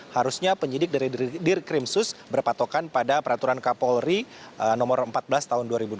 harusnya penyidik dari dirkrimsus berpatokan pada peraturan kapolri nomor empat belas tahun dua ribu dua puluh